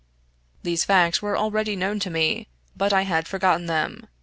These facts were already known to me, but I had forgotten them.